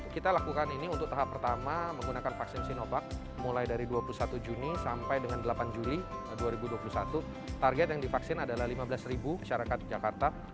kita lakukan ini untuk tahap pertama menggunakan vaksin sinovac mulai dari dua puluh satu juni sampai dengan delapan juli dua ribu dua puluh satu target yang divaksin adalah lima belas syarikat jakarta